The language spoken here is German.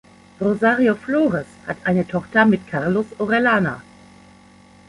Rosario Flores hat eine Tochter mit Carlos Orellana.